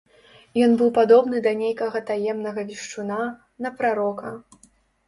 Ён быў падобны да нейкага таемнага вешчуна, на прарока.